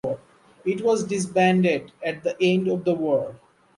It was disbanded at the end of the war.